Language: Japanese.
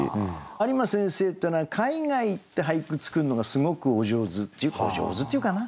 有馬先生っていうのは海外行って俳句作るのがすごくお上手お上手っていうかな？